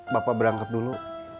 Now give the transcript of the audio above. bapak berangkat dulu